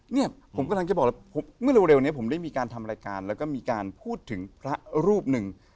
เนี่ยผมกำลังจะบอกแล้วเมื่อเร็วนี้ผมได้มีการทำรายการแล้วก็มีการพูดถึงพระรูปหนึ่ง